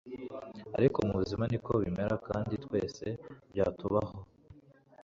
ariko mubuzima niko bimera kandi twese byatubaho